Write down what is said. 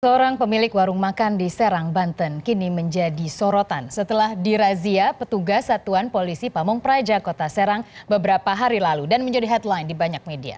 seorang pemilik warung makan di serang banten kini menjadi sorotan setelah dirazia petugas satuan polisi pamung praja kota serang beberapa hari lalu dan menjadi headline di banyak media